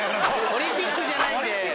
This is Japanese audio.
オリンピックじゃないんで。